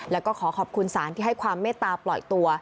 แล้วก็ขอขอบคุณศาลที่ให้ความเมตตาปล่อยตัว